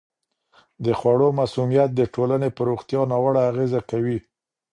د خوړو مسمومیت د ټولنې په روغتیا ناوړه اغېزه کوي.